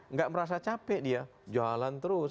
nggak merasa capek dia jualan terus